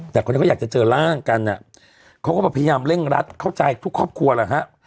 แต่คนที่เขาอยากจะเจอร่างกันอ่ะเขาก็แบบพยายามเร่งรัดเข้าใจทุกครอบครัวแหละฮะ